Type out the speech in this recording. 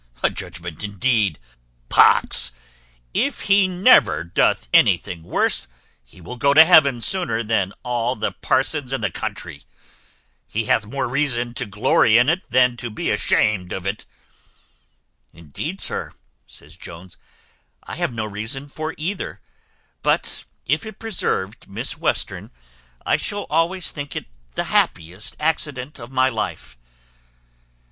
A judgment indeed! Pox, if he never doth anything worse, he will go to heaven sooner than all the parsons in the country. He hath more reason to glory in it than to be ashamed of it." "Indeed, sir," says Jones, "I have no reason for either; but if it preserved Miss Western, I shall always think it the happiest accident of my life."